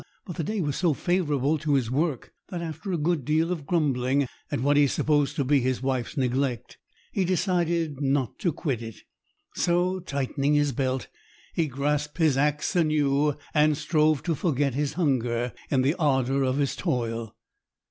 But the day was so favourable to his work that, after a good deal of grumbling at what he supposed to be his wife's neglect, he decided not to quit it. So, tightening his belt, he grasped his axe anew and strove to forget his hunger in the ardour of his toil.